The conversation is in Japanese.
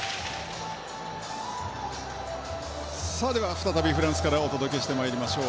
再びフランスからお届けしてまいりましょう。